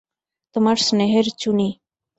তোমার স্নেহের চুনি।